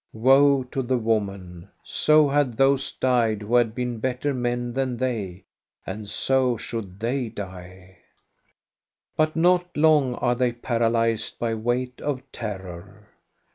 Woe to the woman ! So had those died who had been better men than they, and so should they die. But not long are they paralyzed by weight of terror.